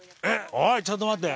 おいちょっと待って。